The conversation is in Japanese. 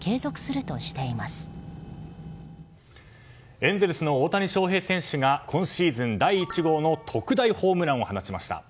エンゼルスの大谷翔平選手が今シーズン第１号の特大ホームランを放ちました。